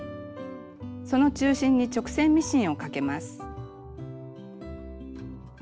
その中心に直線ミシンをかけます。